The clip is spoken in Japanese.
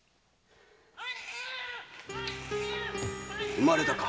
・産まれたか！